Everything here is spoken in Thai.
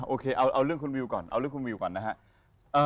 โอเคเอาเรื่องคุณวิวก่อนเอาเรื่องคุณวิวก่อนนะครับ